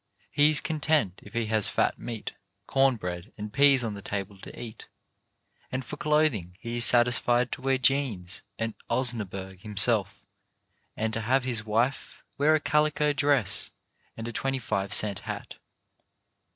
He is content if he has fat meat, corn bread and peas on the table to eat, and for clothing he is satisfied to wear jeans and osnaburg himself, and to have his wife wear a calico dress and a twenty five cent hat.